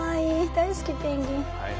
大好きペンギン！